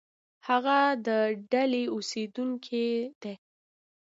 هغه د ډهلي اوسېدونکی دی.